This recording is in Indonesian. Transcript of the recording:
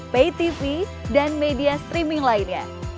paytv dan media streaming lainnya